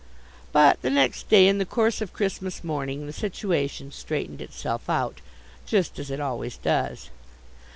But the next day, in the course of Christmas morning, the situation straightened itself out, just as it always does.